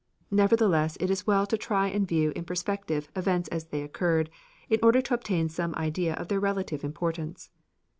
Nevertheless it is well to try and view in perspective events as they occurred, in order to obtain some idea of their relative importance.